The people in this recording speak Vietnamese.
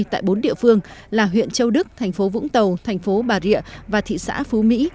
tại bốn địa phương là huyện châu đức thành phố vũng tàu thành phố bà rịa và thị xã phú mỹ